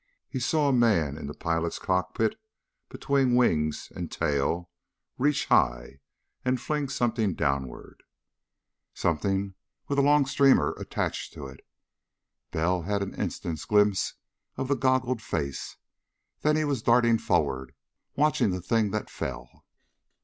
He saw a man in the pilot's cockpit between wings and tail reach high and fling something downward, something with a long streamer attached to it. Bell had an instant's glimpse of the goggled face. Then he was darting forward, watching the thing that fell.